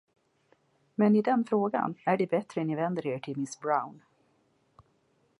Men i den frågan är det bättre ni vänder er till miss Brown.